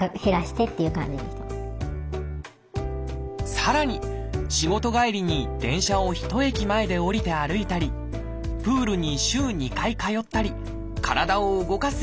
さらに仕事帰りに電車を１駅前で降りて歩いたりプールに週２回通ったり体を動かすようにしました。